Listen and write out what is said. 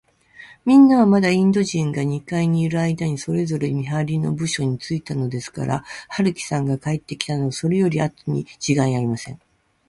みんなは、まだインド人が二階にいるあいだに、それぞれ見はりの部署についたのですから、春木さんが帰ってきたのは、それよりあとにちがいありません。